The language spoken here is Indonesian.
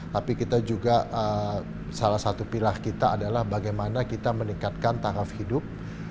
tapi kita juga salah satu pilah kita adalah bagaimana kita meningkatkan taraf hidup